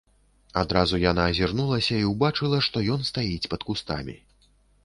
Адразу яна азірнулася і ўбачыла, што ён стаіць пад кустамі.